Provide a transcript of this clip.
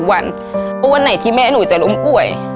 วันไหนที่แม่หนูจะล้มอ้วย